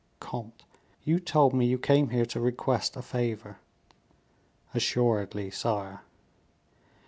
"Comte, you told me you came here to request a favor." "Assuredly, sire."